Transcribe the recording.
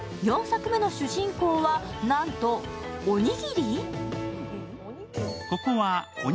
４作目の主人公は、なんとおにぎり！？